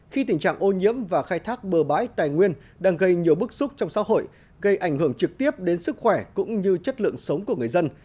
khi tình trạng ô nhiễm và khai thác bờ bãi tài nguyên đang gây nhiều bức xúc trong xã hội gây ảnh hưởng trực tiếp đến sức khỏe cũng như chất lượng sống của người dân